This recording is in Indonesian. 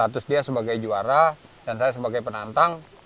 dan status dia sebagai juara dan saya sebagai penantang